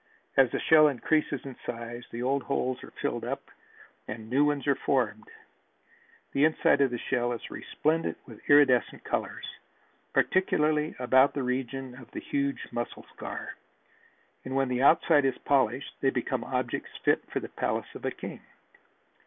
As the shell increases in size the old holes are filled up and new ones are formed. The inside of the shell is resplendent with iridescent colors, particularly about the region of the huge muscle scar, and when the outside is polished they become objects fit for the palace of a king.